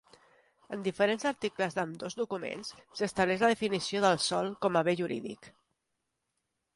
En diferents articles d'ambdós documents, s'estableix la definició del sòl com a bé jurídic.